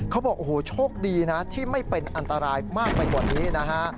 เขาบอกโอ้โหโชคดีนะที่ไม่เป็นอันตรายมากไปกว่านี้นะฮะ